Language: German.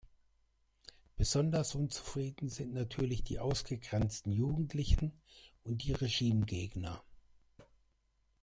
Besonders unzufrieden sind natürlich die ausgegrenzten Jugendlichen und die Regimegegner.